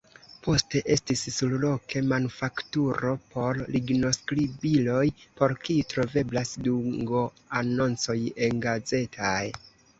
Poste estis surloke manufakturo por lignoskribiloj por kiu troveblas dungoanoncoj engazetaj.